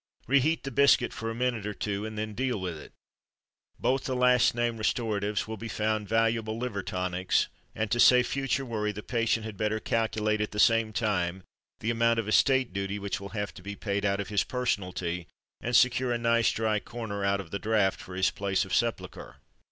Reheat the biscuit for a minute or two, and then deal with it. Both the last named restoratives will be found valuable (?) liver tonics; and to save future worry the patient had better calculate, at the same time, the amount of Estate Duty which will have to be paid out of his personalty, and secure a nice dry corner, out of the draught, for his place of sepulture.